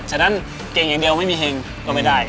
นั้นเก่งอย่างเดียวไม่มีเห็งก็ไม่ได้